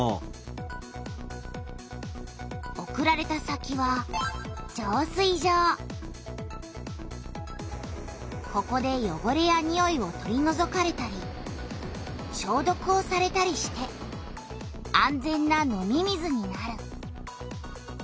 送られた先はここでよごれやにおいを取りのぞかれたりしょうどくをされたりして安全な飲み水になる。